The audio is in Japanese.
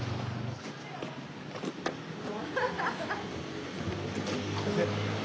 ハハハッ！